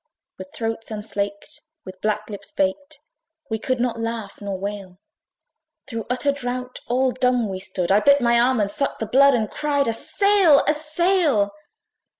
With throats unslaked, with black lips baked, We could not laugh nor wail; Through utter drought all dumb we stood! I bit my arm, I sucked the blood, And cried, A sail! a sail!